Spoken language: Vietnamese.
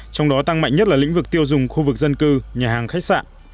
trong đó tăng mạnh nhất là lĩnh vực tiêu dùng khu vực dân cư nhà hàng khách sạn